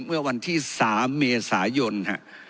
เมื่อวันที่๓เมษายน